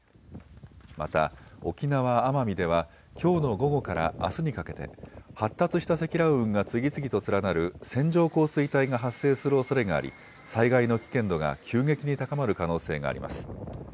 また沖縄・奄美ではきょうの午後からあすにかけて発達した積乱雲が次々と連なる線状降水帯が発生するおそれがあり災害の危険度が急激に高まる可能性があります。